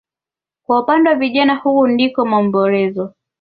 Kwa upande wa vijana huku ndiko maombolezo